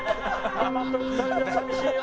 「ママと２人じゃ寂しいよ」。